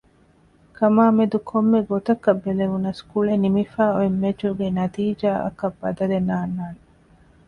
ކަމާމެދު ކޮންމެ ގޮތަކަށް ބެލެވުނަސް ކުޅެ ނިމިފައި އޮތް މެޗުގެ ނަތީޖާއަކަށް ބަދަލެއް ނާންނާނެ